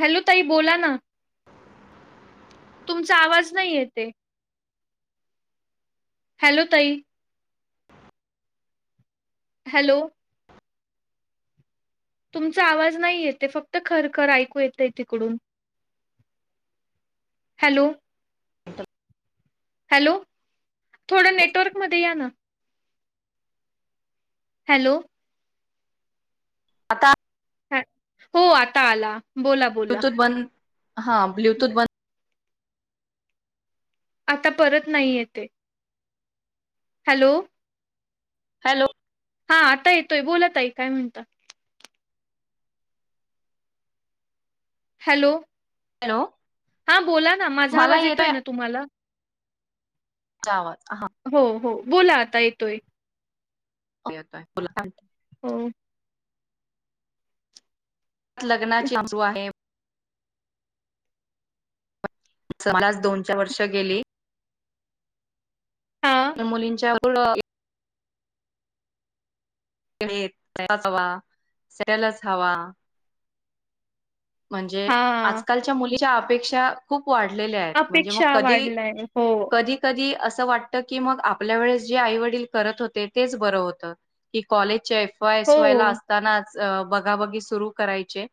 Hello ताई बोला ना तुमचा आवाज नाही येते हॅलो ताई हॅलो तुमचा आवाज नाही येतेय फक्त खरखर ऐकू येतंय तिकडून. हॅलो. [inaudible] हॅलो थोडं नेटवर्क मध्ये या ना. हॅलो. आता हो आता आला बोला बोला. ब्लूटूथ बंद हा ब्ल्यूटूथ बन आता परत नाही येतेय हॅलो हॅलो. हां आता येतोय बोला ताई काय म्हणता? हॅलो. हॅलो. हां बोला ना माझा आवाज येतोय ना तुम्हाला? आवाज हां हो हो बोला आता येतोय. येतेय बोला हो लग्नाची सुरू आहे. मलाच दोन चार वर्ष गेली. हा मुलींच्या [unintelligible] सेटल च हवा सेटल च हवा म्हणजे हा आजकालच्या मुलीच्या अपेक्षा खूप वाढलेल्या आहेत म्हणजे मग अपेक्षा कधी वाढलाय हो कधी कधी असं वाटत की मग आपल्या वेळेस जे आई वडील करत होते तेच बरं होत की कॉलेजच्या एफ वाई हो एसवाय ला असतानाच बघा बगी सुरू करायचे.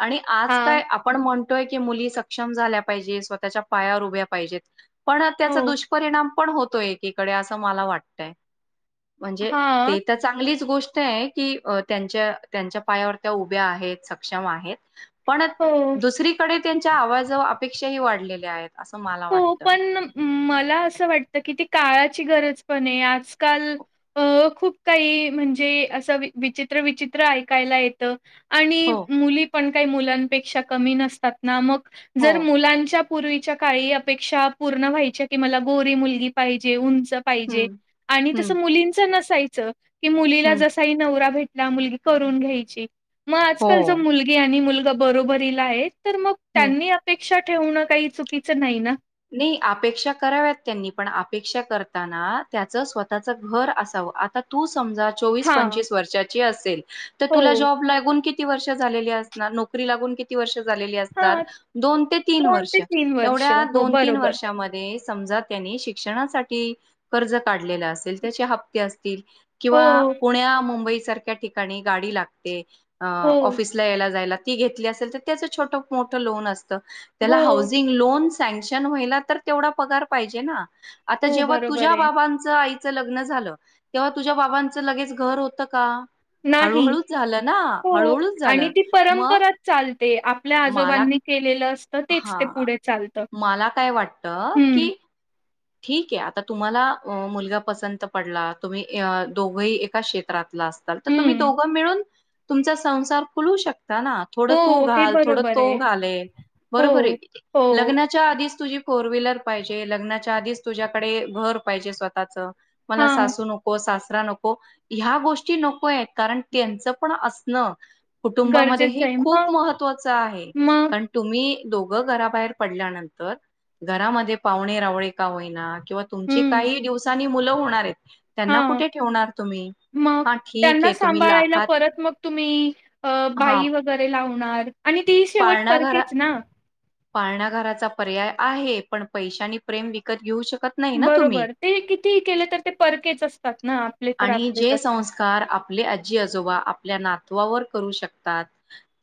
आणि आज हा काय आपण म्हण तोय की मुली सक्षम झाल्या पाहिजे स्वतःच्या पायावर उभ्या पाहिजेत पण हो त्याचा दुष्परिणाम पण होतोय एककडे अस मला वाटतय म्हणजे हा ते तर चांगलीच गोष्ट आहे की त्यांच्या त्यांच्या पायावर त्या उभ्या आहेत सक्षम आहेत. पण हो दुसरीकडे त्यांच्या आवाजव अपेक्षाही वाढलेल्या आहेत. असं मला हो वाटतं. पण मला असं वाटत की ते काळाची गरज पण आहे आजकाल अ खूप काही म्हणजे असं विचित्र विचित्र ऐकायला येतं. आणि हो, मुली पण काही मुलांपेक्षा कमी नसतात ना मग हो. जर मुलांच्या पूर्वीच्या काळी अपेक्षा पूर्ण व्हायच्या की मला गोरी मुलगी पाहिजे उंच पाहिजे हं, आणि हं, तसं मुलींचं नसायचं की मुलीला हं. जसाही नवरा भे मुलगी करून घ्यायची मग हो, आजकाल जर मुलगी आणि मुलगा बरोबरीला आहेत, तर मग हं. त्यांनी अपेक्षा ठेवणं काही चुकीचं नाही ना. नाही अपेक्षा कराव्यात त्यांनी पण अपेक्षा करताना त्याचं स्वतःच घर असा व आता तू समजा चोवीस हां, पंचवीस वर्षाची असेल तर तुला हो. जॉब लागून कि किती वर्ष झालेली असणार नोकरी लागून किती वर्ष झालेली असणार हां, दोन ते तीन ते वर्ष वर्ष. एवढ्या हो, दोन तीन बरोबर. वर्षामधे समजा त्यांनी शिक्षणासाठी कर्ज काढलेल असेल त्याचे हप्ते असे ल हो, किंवा पुण्या मुंबई सारख्या ठिकाणी गाडी लागते. अ हो, ऑफिसला यायला जायला ती घेतली असेल तर त्याचं छोट मोठं लोन अस त त्याला हो, हाऊसिंग लोन सँक्शन व्हायला तर तेवढा पगार पाहिजे ना? आता हो, जेव्हा बरोबर तुझ्या आहे. बाबांचं. लग्न झालं तेव्हा तुझ्या बाबांचं लगेच घर होत का. नाही हळूहळूच झालं ना हो हळूहळूच आणि झालं. ती मग परंपराच चालते आपल्या मला आजोबांना. के असत तेच ते हा पुढे चालत मला काय वाटतं हम. की ठीक आहे आता तुम्हाला मुलगा पसंत पडला तुम्ही दोघंही एका क्षेत्रात. अस तर तुम्ही हं. दोघं मिळून तुमचा संसार खुलू शकता. ना थोडं तू हो, हे घाल थोड बरोबर तो आहे. घालेल हो, बरोबर आहे हो. लग्नाच्या आधीच. तुझी फोर व्हीलर पाहिजे लग्नाच्या आधीच तुझ्याडे घर पाहिजे स्वतःच. मला हां, सासू नको सास. नको ह्या गोष्टी नको कारण त्यांच पण असण. कुटुंबामध्ये हे गरजेचं आहे. मग, खूप महत्वाचं आहे मग कारण तुम्ही. दोघं घराबाहेर पडल्यानंतर घरामध्ये पाहणे रावळे का होईना. किंवा तुमची हं, काही दिवसांनी मुलं होणार आहेत त्यांना हां. कुठे ठेवणार तुम्ही. मग हा ठीक त्यांना आहे तुम्ही सांभाळायला लाखात परत मग तुम्ही हा बाई वगैरे लावून. आणि ती शेवट परकेच ना. पाळणाघराचा पर्याय आहे पण पैशानी प्रेम विकत घेऊ शकतो. बरोबर ते किती केले तर ते परकेच असतात ना. तर आणि आपलेच जे असतात. संस्कार आपले आजी आजोबा. आपल्या नावावर करू शकतात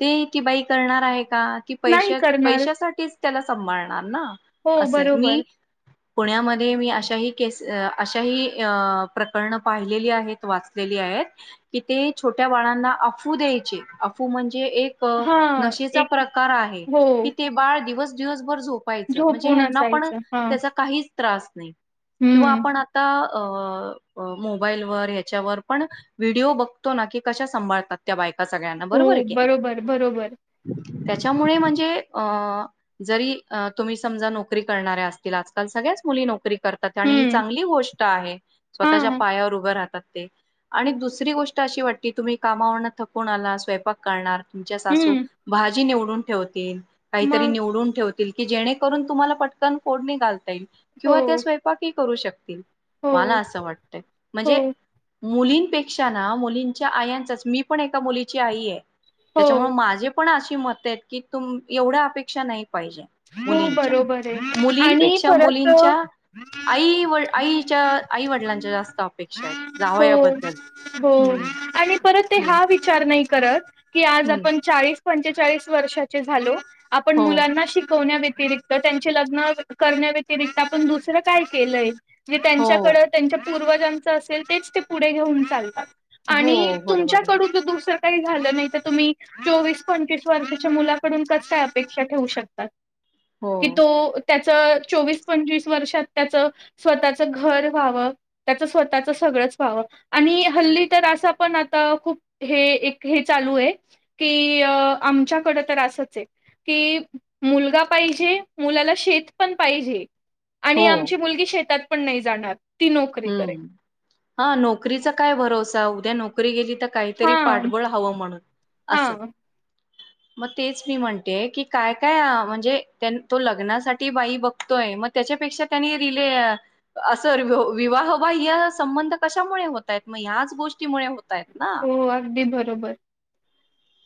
ते बाई करणार आहे का. की पश नाही करणार पैशासाठीच त्याला सांभाळणार ना हो असंय बरोबर मी. पुण्यामध्ये मी अशाही केस अशाही प्रकरण. पाहिलेली आहेत वाचलेली आहेत की ते छोट्या बाळांना अफू द्यायचे अूफू म्हणजे जे एक हां नशेचा एक प्रकार आहे हो क ते बाळ दिवस दिवस. वर झो म्हणजे झोपून पण असायचं हां त्याचा काही त्रास नाही किंवा हम्म. आपण आता. अ अ. मोबाईल व ह्याच्यावर पण व्हिडिओ बघतो ना की कशा सांभातात त्या बाईला. ह सगळ्यांना बरोबर आहे हो की नाही. बरोबर, बरोबर त्याच्यामुळे म्हणजे अ जरी तुम्ही समजा नोकरी करणाऱ्या असतील आजकाल सगळे. सगळ्याच मुली नोकरी करतात ह हम्म. चांगली गोष्ट आहे स्वतःच्या. हां पायावर उभ राहतात ते आणी दुसरी गोष्ट अशी वाटतेय तुम्ही कामा थकून आला स्वयक करणार. तुमच्या सासू हम्म. भाजी निवडून ठेवतील काहीतरी मग निवडून ठेव. की जेणेकरून तुम्हाला पटकन फोडणी घालता येईल हो, किंवा त्या स्वयंपाक हि करू शकतील. हो, मला असं वाटतंय म्हणजे. हो, मुलींपेक्षा ना मुलींच्या आयांचाच मी पण एका मुलीची आई आहे. हो, त्याच्यामुळे माझे पण अशी मतं आहेत की तुम एवढ्या अपेक्षा नाही पाहिजे. हो मुलींच्या बरोबर आहे आणि मुलींपेक्षा परत अ, मुलींच्या. आई व आईच्या आई वडिलांच्या जास्त. अपेक्षा आहेत जावया हो. बद्दल हो हम्. आणि परत ते हा विचार नाही करत की आज हम्म आपण चाळीस पंचेचाळीस वर्षाचे झालो. आपण हो मुलांना शिक. व्यतिरत त्यांची लग्न करण्या व्यतिरिक्त आपण दुसरं काय केलंय. जे हो त्यांच्याकड त्यांच्या पूर्वजांचं असेल तेच ते पुढे घेऊन चालतात. हो आणि बरोबर आहे तुमच्याकडून दुसर. काही झालं नाही तर तुम्ही चोवीस पंचवीस वर्षाच्या मुलाकडून कस काय अपेक्षा ठेवू शकताात. हो कि तो त्या. च चोवीस पंचवीस वर्षांत त्यांच स्वताच घर व्हाव. स्वता- हल्ली तर अस पण आ खूप चालू आहे. की आमच्याकडं तर असच आहे की, मुलगा पाहिजे मुलाला शेत पण पाहिजे आणि हो आमची मुलगी शेतात. पण नाही जाणार. ती नोकरी करेल हम्म हा नोकरीचा काय भरोसा उद्या नोकरी गेली तर काहीतरी हा पाठबळ हवं म्हणून हा असं मग तेच मी म्हणते की काय काय म्हणजे तो लग्नासाठी बाई बघतोय मग त्याच्यापेक्षा त्याने रिले असं विवाहबाह्य संबंध कशामुळे होत आहेत मग ह्याच गोष्टीमुळे होत हो अगदी बरोबर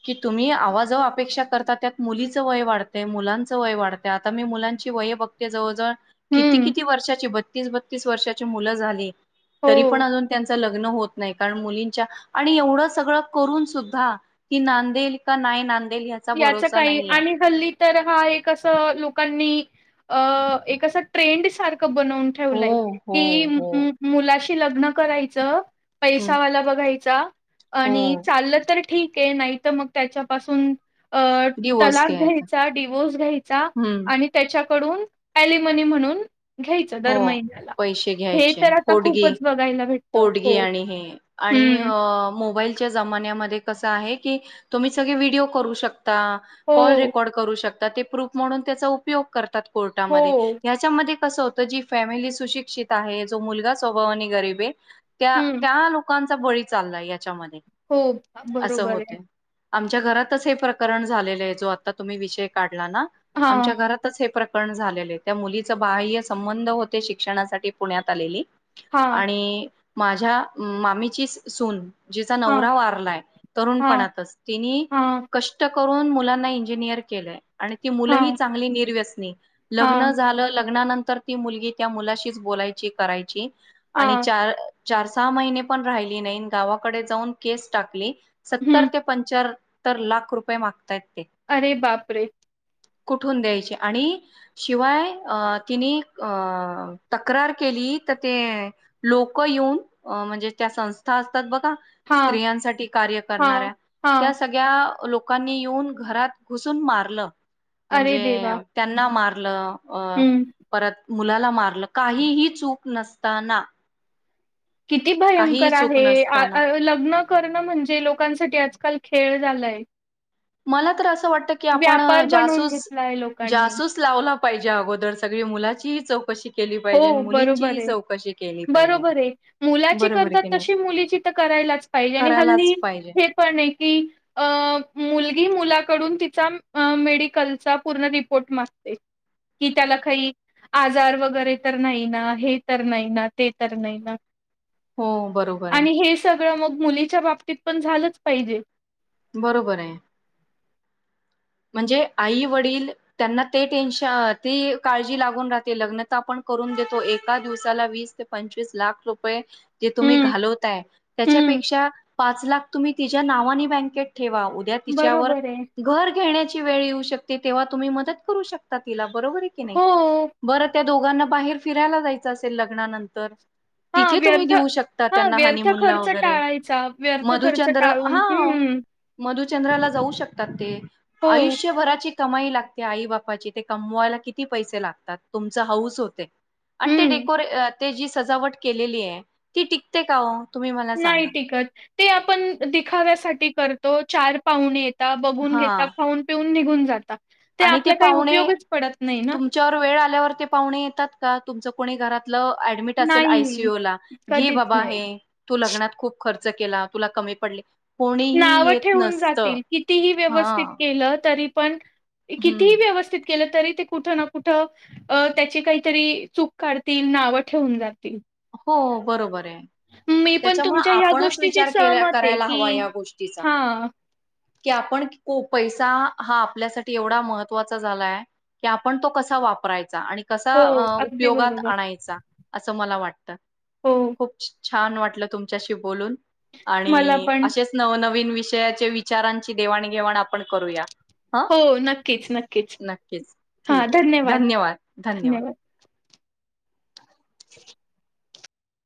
कि तुम्ही आवाजव अपेक्षा करता त्यात मुलीचं वय वाढतय, मुलांचं वय वाढत आता मी मुलांची वय बघते जवळजवळ किती हम्म किती वर्षाची बतीस बत्तीस वर्षाची मुलं झाली तरी हो पण अजून त्यांच लग्न होत नाही कारण मुलींच्या आणि एवढं सगळं करून सुद्धा ती नांदेल का नाही ह्याचा याच भरोसा काही नाहीये आणि हल्ली तर हा एक असं लोकांनी अ एक ट्रेंड सारख बनवून हो, ठेवलंय हो, की हो. मुलाशी लग्न करायचं हं. पैसा वाला बघायचा हो. आणि चाललं तर ठीक आहे नाही तर मग त्याच्यापासून अ तलाक घ्यायचा डिवोर्स घ्यायचा हं. आणि त्याच्या कडून एलीमनी म्हणून घ्यायचं दर हो. महिन्याला पैसे हे घ्यायचे. तर आता पोटगी खूपच बघायला भेटत पोटगी हो आणि हे आणि हं. मोबाईलच्या जमान्यामध्ये कसं आहे कि तुम्ही सगळे व्हिडिओ करू शकता, कॉल हो, रेकॉर्ड करू शक ता ते प्रूफ म्हणून त्याचा उपयोग करतात कोर्टामध्ये हो. ह्याच्यामध्ये कसं जी फॅमिली सुशिक्षित आहे जो मुलगा स्वभावाने आणि गरीब आहे त्या हं. लोकां चा बळी चाललाय याच्यामध्ये हो. असं बरोबर आहे. होतय. आमच्या घरातच हे प्रकरण झालेलं आहे जो आता तुम्ही विषय काढला ना हां, आमच्या घरातच हे प्रक रण झालेले त्या मुलीचे बाह्य संबंध होते शिक्षणासाठी पुण्यात आलेली हां, आणि माझ्या मामीचीच सून जिचा हां. नवरा वारलाय हां, तरुणपणातच तिनी हां, कष्ट करून मुलांना इंजिनियर केलं. आणि ती मुलंही हां, चांगली निर्व्यसनी. लग्न हां, झालं, लग्नानंतर ती मुलगी त्या मुलाशीच बोलायची, करायची आणि हां, चार चार सहा महिने पण राहिली नाहीन गावाकडे जाऊन केस टाकली सत्तर हं. ते पंच्या त्तर लाख रुपये मागताय. अरे बापरे! कुठून द्यायचे आणि शिवाय अ तिने अ तक्रार केली तर ते लोक येऊन म्हणजे त्या संस्था असतात बघ हां, स्त्रियांसाठी कार्य करणाऱ्या हां, त्या हां. सगळ्या लोक लोकांनी येऊन घरात घुसून मारलं अरे म्हणजे देवा! त्यांना मारलं, अ हं. परत मुलाला मारलं काहीही चूक नसताना. किती काहीही भयंकर चूक नसताना आहे! लग्न करणं म्हणजे लोकांसाठी आजकाल खेळ झालाय. मला तर असं वाटत की आपण व्यापार बनवून जासूस, घेतला आहे लोकांनी. जासूस लावला. पाहिजे अगोदर सगळी मुलाची चौकशी केली हो पाहिजे आणि बरोबर मुलींचीही आहे चौकशी केली पाहिजे बरोबर आहे मुलाची बरोबर आहे की करतात नाही तशी मुलीची तर कर लाच पाहिजे आणि हल्ली करायलाच पाहिजे हे पण आहे की अ मुल गी मुलाकडून तिचा मेडिकलचा पूर्ण रिपोर्ट मागते. कि त्याला काही आजार वगैरे तर नाही ना हे तर नाही ना ते तर नाही ना हो बरोबर आहे आणि हे सगळं मग मुलीच्या बाबतीत पण झालंच पाहिजे. बरोबर आहे. म्हणजे आई वडील त्यांना ते टेन्शन ती काळजी लागून राहते लग्न तर आपण देतो एका दिवसाला वीस ते पंचवीस लाख रुपये जे तुम्ही हम्म घालवताय त्याच्या हम्म पेक्षा, पाच लाख तुम्ही तिचृ ठेवा, उद्या तिच्यावर बरोबर आहे. घर घेण्याची वेळ येऊ शकते,, तेव्हा तुम्ही मदत करू शकता तिलाऽऽ बरोबर आहे की नाही, हो बरं त्या दोघांना बाहेर फिरायला जायचं असेल लग्नानंतरऽऽ हा तिथे तुम्ही व्यर्थ देऊ शकता,, हा त्यांना व्यर्थ हनीमुनला खर्च वगैरे टाळायचा व्यर्थ खर्च मधुचंद्र टाळून हा. हम्म मधुचंद्राला जाऊ शकतात ते, हो. आयुष्यभराचीऽऽ कमाई लागते आई बापाची ते कमवायला किती पैसे लागतात तुमच हाऊस होतेऽऽ आणि ते हम्म. डेकोरे ते जी सजावट केलेली आहे ती टिकते का ओ? नाही टिकत, ते आपण दिखाव्यासाठी करतो चार पावणेऽऽ, ता, बघून घेता, हा खाऊन, पिऊन निघून जाता. आणि ते आपला काही पाहुणे, उपयोगच पडत नाही ना. तुमच्यावर वेळ आल्यावर ते पाहुणे येतात का? तुमचं कोणी घरातऽऽ अॅडमीट असेल आय सीू नाही. यू ला, घे कधीच बाबा नाही. हे, तु लग्नात खुप खर्चऽऽ केला, तुला कमी पडलेऽऽ नावं ठेूवून जातील, कितीही हा व्यवस्थीत केलं तरीऽऽ, पण, कितीही हम्म व्यवस्थित केऽऽ तरी ते कुठं ना कुठं अ त्याची काहीतरी चूक काढतील,, नावं ठेवून जातील.. हो, बरोबर ओ. मी पण त्यांच्यामुळ, तुमच्या ह्या आपणच गोष्टीशी विचार के सहमत आहे करायला की हवा या गोष्टीचा. हा की आपण पैसा हा आपल्यासाठी एवढा महत्त्वाचा झालाय, की आपण तो कसा वापरायचा? आणि कसा हो अं अगदी उपयोगात बरोबर आणायचा, असं मला वाटत. हो खूपऽ छान वाटलं तुमच्याशी बोलून,, मला आणि पण असेच नवनवीन विशऽऽ विषयाच्या विचारांची देवाणघेवाण आपण करूया. हा, हो नक्कीच नक्कीच नक्कीच,, ठीक य, धन्यवाद, धन्यवाद. [inaudible]